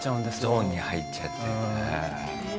ゾーンに入っちゃって。